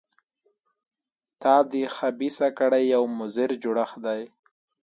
دا د خبیثه کړۍ یو مضر جوړښت دی.